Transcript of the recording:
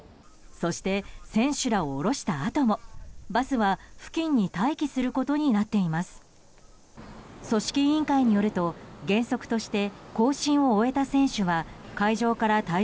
そして選手らを降ろしたあともバスは付近に待機することになっています。